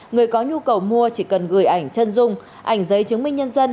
người có nhu cầu mua chỉ cần gửi ảnh chân dung ảnh giấy chứng minh nhân dân